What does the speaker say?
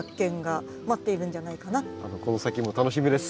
この先も楽しみです。